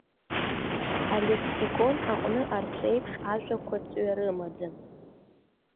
Алексикон аҟны арҭ реиԥш ажәақәа ҵҩа рымаӡам.